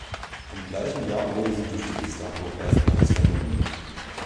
Im gleichen Jahr wurde sie durch die Gestapo erstmals vernommen.